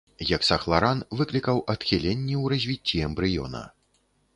Гексахларан выклікаў адхіленні ў развіцці эмбрыёна.